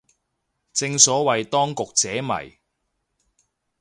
正所謂當局者迷